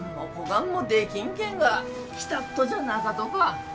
がんもできんけんが来たっとじゃなかとか？